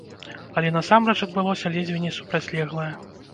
Але насамрэч адбылося ледзьве не супрацьлеглае.